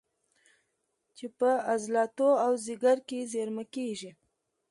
چې په عضلاتو او ځیګر کې زېرمه کېږي